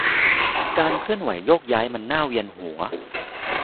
การเคลื่อนไหวโยกย้ายมันน่าเวียนหัว